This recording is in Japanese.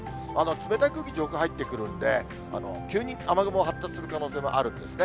冷たい空気、上空入ってきますんで、急に雨雲発達する可能性もあるんですね。